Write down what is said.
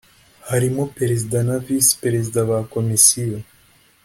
harimo perezida na visi perezida ba komisiyo.